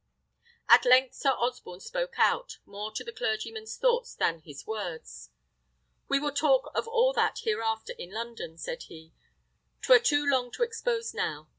At length Sir Osborne spoke out, more to the clergyman's thoughts than his words. "We will talk of all that hereafter in London," said he; "'twere too long to expose now.